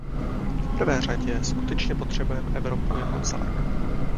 V prvé řadě skutečně potřebujeme Evropu jako celek.